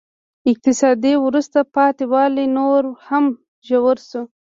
اقتصادي وروسته پاتې والی نور هم ژور شو.